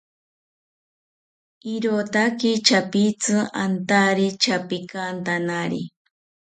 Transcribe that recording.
Irotaki chapitzi antari chapikantanari